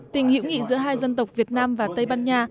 tình hữu nghị giữa hai dân tộc việt nam và tây ban nha